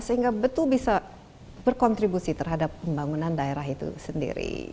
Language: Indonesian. sehingga betul bisa berkontribusi terhadap pembangunan daerah itu sendiri